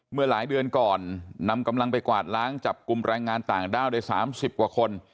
เมื่อหลายเดือนก่อนนำกำลังไปกวาดล้างจับกลุ่มแรงงานต่างด้าวได้๓๐กว่าคน